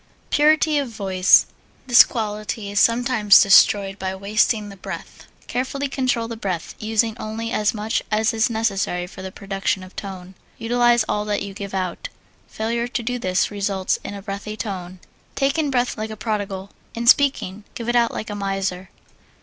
Purity of Voice This quality is sometimes destroyed by wasting the breath. Carefully control the breath, using only as much as is necessary for the production of tone. Utilize all that you give out. Failure to do this results in a breathy tone. Take in breath like a prodigal; in speaking, give it out like a miser.